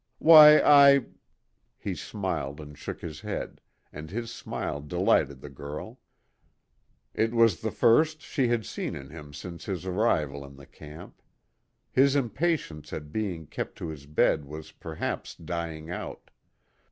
"Why, I " He smiled and shook his head, and his smile delighted the girl. It was the first she had seen in him since his arrival in the camp. His impatience at being kept to his bed was perhaps dying out.